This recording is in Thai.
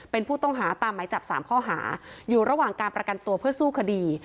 เป็นผู้ต้องหาตามหมายจับ๓ข้อหาอยู่ระหว่างการประกันตัวเพื่อสู้คดี